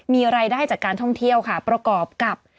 มีรายได้จากการท่องเที่ยวค่ะประกอบกับ